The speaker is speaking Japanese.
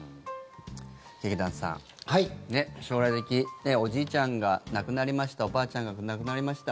劇団さん、将来的におじいちゃんが亡くなりましたおばあちゃんが亡くなりました